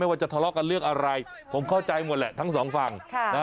ว่าจะทะเลาะกันเรื่องอะไรผมเข้าใจหมดแหละทั้งสองฝั่ง